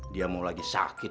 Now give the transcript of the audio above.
dia mau lagi sakit